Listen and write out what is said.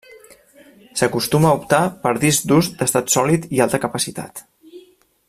S’acostuma a optar per discs durs d’estat sòlid i alta capacitat.